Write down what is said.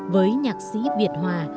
với nhạc sĩ việt hòa